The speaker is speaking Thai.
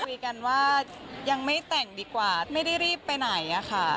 คุยกันว่ายังไม่แต่งดีกว่าไม่ได้รีบไปไหนอะค่ะ